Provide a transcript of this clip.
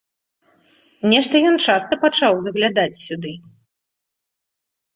Нешта ён часта пачаў заглядаць сюды!